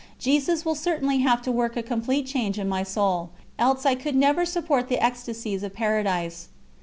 Jesus will certainly have to work a complete change in my soul else I could never support the ecstasies of Paradise."